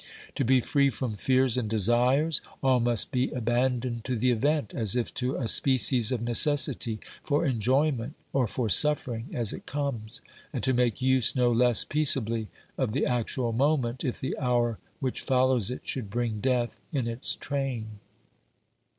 To be free from fears and desires all must be abandoned to the event, as if to a species of necessity, for enjoyment or for suffering as it comes, and to make use no less peace ably of the actual moment if the hour which follows it should bring death in its train.